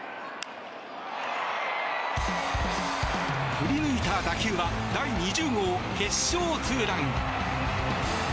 振り抜いた打球は第２０号決勝ツーラン。